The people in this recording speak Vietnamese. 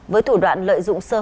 với thủ đoạn lợi dụng sơ hợp